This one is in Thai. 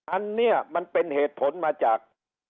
อันนี้มันเป็นเหตุผลมาจาก